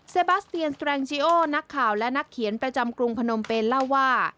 บัสเตียนสแตรงชิโอนักข่าวและนักเขียนประจำกรุงพนมเป็นเล่าว่า